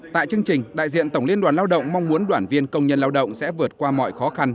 tại chương trình đại diện tổng liên đoàn lao động mong muốn đoàn viên công nhân lao động sẽ vượt qua mọi khó khăn